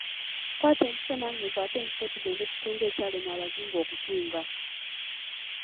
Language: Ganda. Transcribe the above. Kwata empiso nange nkwate empiso tugende tutunge ekyalema abazungu okutunga.